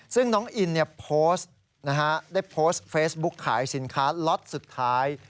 ซึ่งน้องอินโพสต์ได้โพสต์เฟซบุ๊กขายสินค้าล็อตสุดท้าย